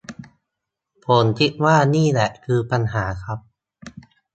ผมคิดว่านี่แหละคือปัญหาครับ